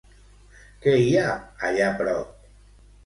Què hi ha allà prop?